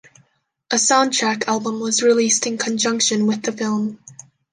A soundtrack album was released in conjunction with the film.